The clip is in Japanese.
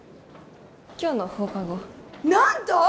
今日の放課後何と！